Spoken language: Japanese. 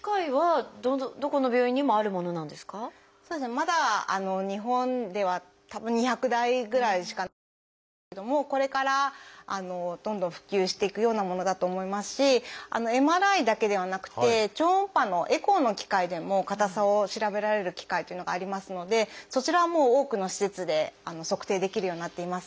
まだ日本ではたぶん２００台ぐらいしかないとは思うんですけどもこれからどんどん普及していくようなものだと思いますしＭＲＩだけではなくて超音波のエコーの機械でも硬さを調べられる機械というのがありますのでそちらはもう多くの施設で測定できるようになっています。